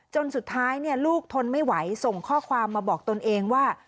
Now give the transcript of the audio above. จนสุดท้ายลูกทนไม่ไหวส่งข้อความมาบอกตนเองว่า